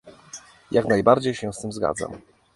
Jak najbardziej się w tym zgadzam